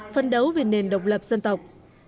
phân đấu về nền độc lập dân tộc